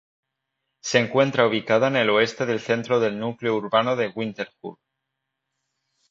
Se encuentra ubicada en el oeste del centro del núcleo urbano de Winterthur.